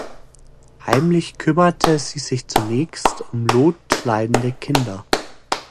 Heimlich kümmerte sie sich zunächst um notleidende Kinder.